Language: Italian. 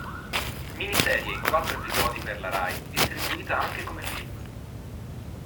Miniserie in quattro episodi per la Rai distribuita anche come film.